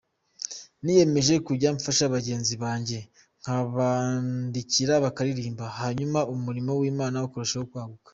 Niyemeje kujya mfasha bagenzi banjye nkabandikira, bakaririmba, hanyuma umurimo w’Imana ukarushaho kwaguka”.